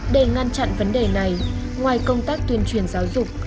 để ngăn chặn vấn đề này ngoài công tác tuyên truyền giáo dục